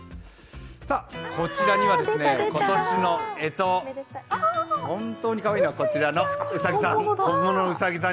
こちらには今年の干支、本当にかわいいな、こちらのうさぎさん。